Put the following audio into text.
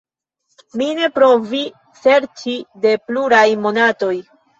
Mi ne provi serĉi de pluraj monatoj.